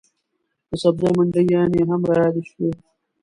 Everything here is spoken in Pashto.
د سبزیو منډیانې هم رایادې شوې.